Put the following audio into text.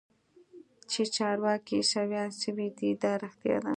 چې چارواکي عيسويان سوي دي دا رښتيا ده.